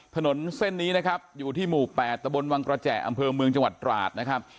ถนนเส้นนี้นะครับอยู่ที่หมู่๘ตะบนวังกระแจอำเภอเมืองจังหวัดตราดนะครับ